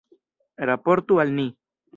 Raportu al ni.